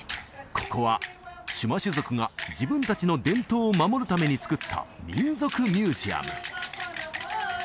ここはチュマシュ族が自分達の伝統を守るために作った民族ミュージアム